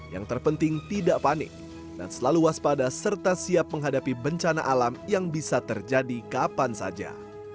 yang terpenting tidak panik dan selalu waspada serta siap menghadapi bencana alam yang bisa terjadi kapan saja